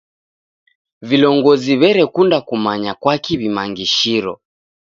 Vilongozi w'erekunda kumanya kwaki w'imangishiro.